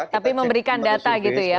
tapi memberikan data gitu ya